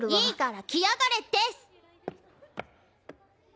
いいから来やがれデス！